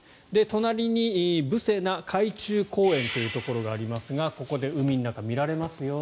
隣にブセナ海中公園というところがありますがここで海の中が見られますよ。